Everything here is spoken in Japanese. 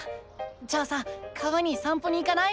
じゃあさ川にさん歩に行かない？